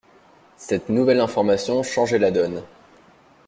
Cette nouvelle information changeait la donne.